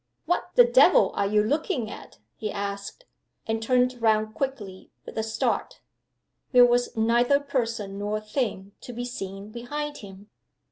"What the devil are you looking at?" he asked and turned round quickly, with a start. There was neither person nor thing to be seen behind him.